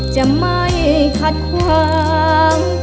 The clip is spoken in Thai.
จะไม่คัดความ